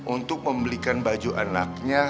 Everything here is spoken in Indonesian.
untuk membelikan baju anaknya